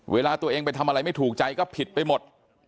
เวลาตัวเองไปทำอะไรไม่ถูกใจก็ผิดไปหมด